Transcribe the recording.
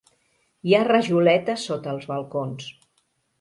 Hi ha rajoletes sota els balcons.